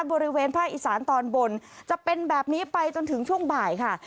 บริเวณภาคอีสานตอนบนจะเป็นแบบนี้ไปจนถึงช่วงบ่ายค่ะ